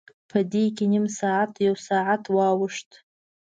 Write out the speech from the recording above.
په دې کې نیم ساعت، یو ساعت واوښت.